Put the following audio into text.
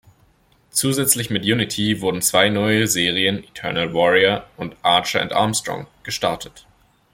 Zusätzlich mit Unity wurden zwei neue Serien, "Eternal Warrior" und "Archer and Armstrong", gestartet.